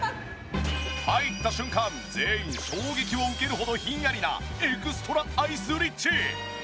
入った瞬間全員衝撃を受けるほどひんやりなエクストラアイスリッチ！